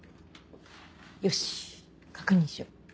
よし確認しよう。